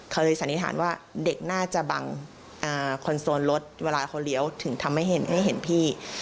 เขาเลยสันนิษฐานว่าเด็กน่าจะบังคอนโซลรถเวลาเขาเลี้ยวถึงทำให้เห็นพี่